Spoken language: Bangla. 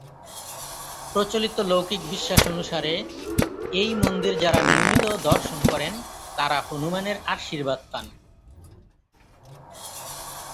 প্রচলিত লৌকিক বিশ্বাস অনুসারে, এই মন্দির যাঁরা নিয়মিত দর্শন করেন, তারা হনুমানের আশীর্বাদ পান।